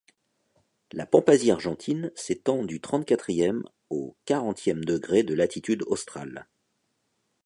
La Pampasie argentine s’étend du trente-quatrième au quarantième degré de latitude australe.